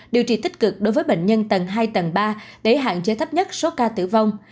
điều trị tích cực đối với bệnh nhân tầng hai tầng ba để hạn chế thấp nhất số ca tử vong